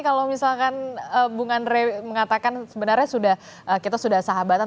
kalau misalkan bung andre mengatakan sebenarnya kita sudah sahabatan